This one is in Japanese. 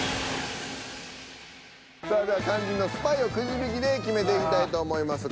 さあでは肝心のスパイをくじ引きで決めていきたいと思います。